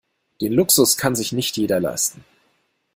Den Luxus kann sich nicht jeder leisten.